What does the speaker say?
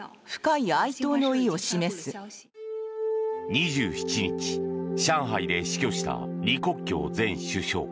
２７日、上海で死去した李克強前首相。